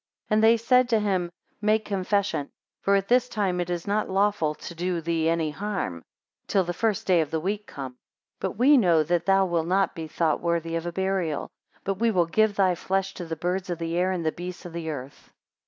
8 And they said to him, Make confession; for at this time it is not lawful to do thee any harm, till the first day of the week come. But we know that thou wilt not be thought worthy of a burial; but we will give thy flesh to the birds of the air, and the beasts of the earth.